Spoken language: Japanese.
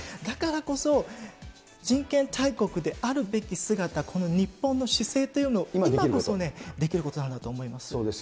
だからこそ、人権大国であるべき姿、この日本の姿勢というのを今こそできることなんだと思います。